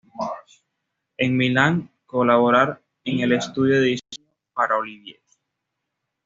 En Milán colaborar en el estudio de diseño para Olivetti.